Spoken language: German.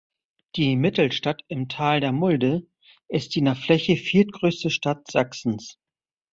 Die Mittelstadt im Tal der Mulde ist die nach Fläche viertgrößte Stadt Sachsens.